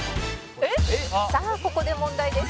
「さあここで問題です」